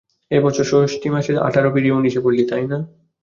এ বছর জষ্টি মাসে তুই আঠারো পেরিয়ে উনিশে পড়লি, তাই না?